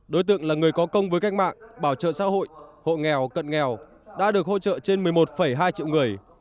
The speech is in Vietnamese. đối tượng là người có công với cách mạng bảo trợ xã hội hộ nghèo cận nghèo đã được hỗ trợ trên một mươi một hai triệu người